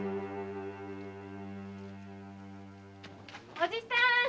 おじさん！